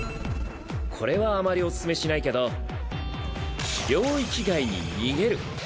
これはあまりお勧めしないけど領域外に逃げる。